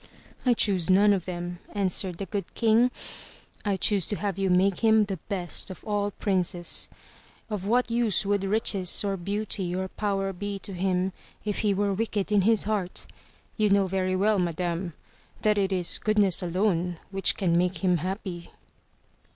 "I choose none of them," answered the Good King. "I choose to have you make him the Best of all Princes. Of what use would Riches or Beauty or Power be to him if he were wicked in his heart? You know very well, madame, that it is Good ness alone which can make him happy."